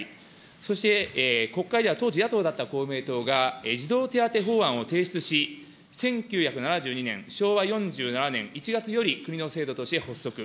そして国会では当時、野党だった公明党が、児童手当法案を提出し、１９７２年・昭和４７年１月より国の制度として発足。